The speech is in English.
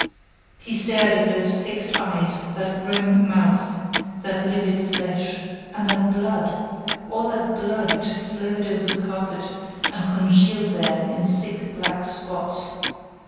He stared at those fixed eyes, that grim mouth, that livid flesh, and that blood all that blood which had flowed over the carpet and congealed there in thick, black spots.